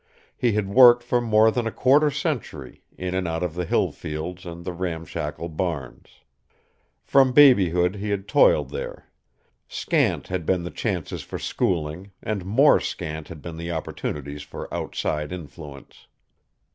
He had worked for more than a quarter century, in and out of the hill fields and the ramshackle barns. From babyhood he had toiled there. Scant had been the chances for schooling, and more scant had been the opportunities for outside influence.